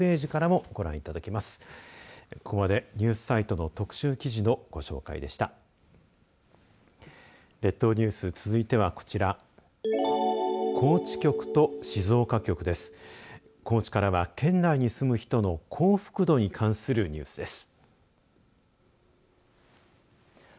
高知からは県内に住む人の幸福度に関するニュースです。